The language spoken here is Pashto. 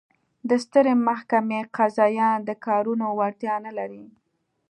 د سترې محکمې قاضیان د کارونو وړتیا نه لري.